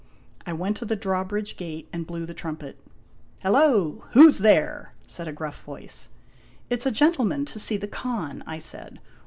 I went to the drawbridge gate and blew the trumpet. " Hello ! Who 's there ?" said a sruff voice. o " It 's a gentleman to see the Khan," I said.